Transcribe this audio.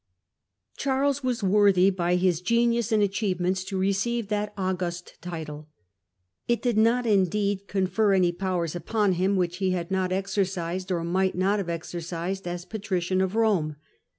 Charles was worthy, by his genius and achievements, to receive that august title. It did not indeed confer conse any powers upon him which he had not quenoesof ,.• i << i • i thiseyent excrcised, or might not have exercised, as Patrician of Eome.